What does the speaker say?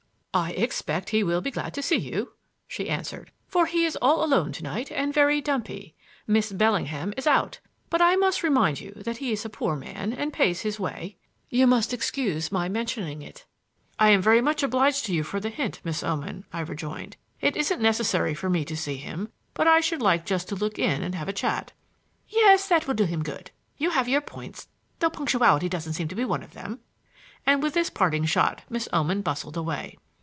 "I expect he will be glad to see you," she answered, "for he is all alone to night and very dumpy. Miss Bellingham is out. But I must remind you that he's a poor man and pays his way. You must excuse my mentioning it." "I am much obliged to you for the hint, Miss Oman," I rejoined. "It isn't necessary for me to see him, but I should like just to look in and have a chat." "Yes, it will do him good. You have your points, though punctuality doesn't seem to be one of them," and with this parting shot Miss Oman bustled away.